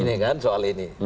ini kan soal ini